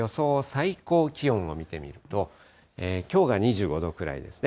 最高気温を見てみると、きょうが２５度ぐらいですね。